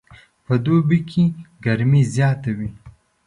په دوبي کې ګرمي زیاته وي